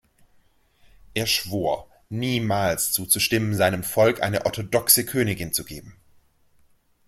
Er schwor, niemals zuzustimmen, seinem Volk eine orthodoxe Königin zu geben.